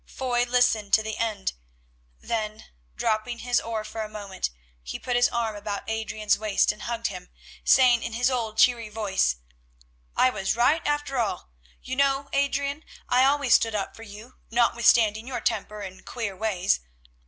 Foy listened to the end. Then, dropping his oar for a moment, he put his arm about Adrian's waist and hugged him, saying in his old cheery voice: "I was right after all. You know, Adrian, I always stood up for you, notwithstanding your temper and queer ways.